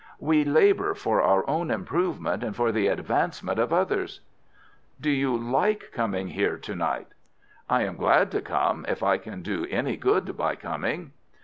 "We labour for our own improvement and for the advancement of others." "Do you like coming here to night?" "I am glad to come if I can do any good by coming."